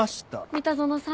三田園さん？